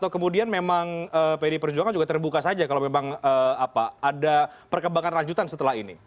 kemudian memang pdi perjuangan juga terbuka saja kalau memang ada perkembangan lanjutan setelah ini